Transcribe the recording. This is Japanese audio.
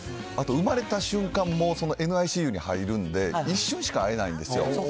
あと、産まれた瞬間も、ＮＩＣＵに入るんで、一瞬しか会えないんですよ。